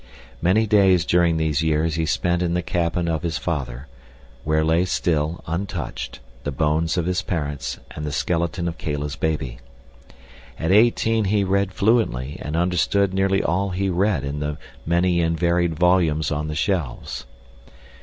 Many days during these years he spent in the cabin of his father, where still lay, untouched, the bones of his parents and the skeleton of Kala's baby. At eighteen he read fluently and understood nearly all he read in the many and varied volumes on the shelves.